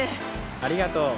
ありがとう！